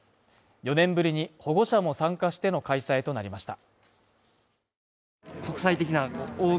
４年ぶりに保護者も参加しての開催となりました。